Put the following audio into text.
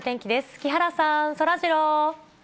木原さん、そらジロー。